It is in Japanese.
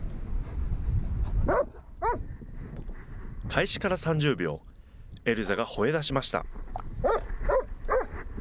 開始から３０秒、エルザがほえだしました。